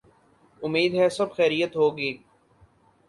امید ہے سب خیریت ہو گی۔